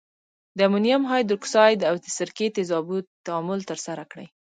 د امونیم هایدورکساید او د سرکې تیزابو تعامل ترسره کړئ.